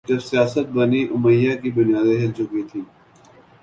جب سیاست بنی امیہ کی بنیادیں ہل چکی تھیں